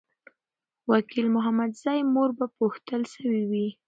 وکیل محمدزی مور به پوښتل سوې وي.